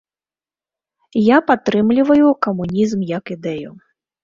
Я падтрымліваю камунізм як ідэю.